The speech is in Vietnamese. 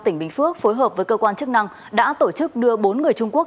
tỉnh bình phước phối hợp với cơ quan chức năng đã tổ chức đưa bốn người trung quốc